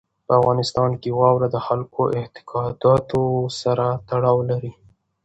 په افغانستان کې واوره د خلکو د اعتقاداتو سره تړاو لري.